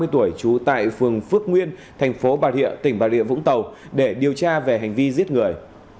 ba mươi tuổi trú tại phường phước nguyên thành phố bà rịa tỉnh bà rịa vũng tàu để điều tra về hành vi giết người